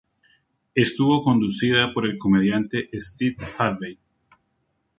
Estuvo conducida por el comediante Steve Harvey.